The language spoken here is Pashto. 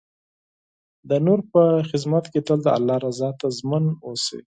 د نور په خدمت کې تل د الله رضا ته ژمن اوسئ.